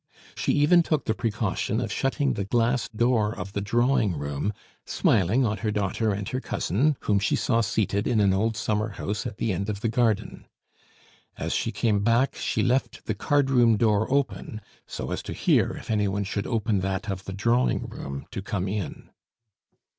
She even took the precaution of shutting the glass door of the drawing room, smiling on her daughter and her cousin, whom she saw seated in an old summer house at the end of the garden. As she came back she left the cardroom door open, so as to hear if any one should open that of the drawing room to come in.